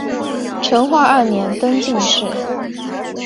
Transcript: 成化二年登进士。